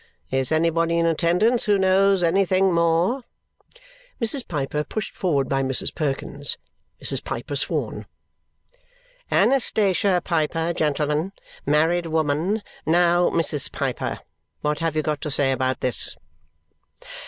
Is anybody in attendance who knows anything more?" Mrs. Piper pushed forward by Mrs. Perkins. Mrs. Piper sworn. Anastasia Piper, gentlemen. Married woman. Now, Mrs. Piper, what have you got to say about this?